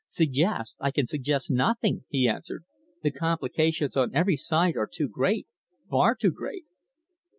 "Suggest? I can suggest nothing," he answered. "The complications on every side are too great far too great."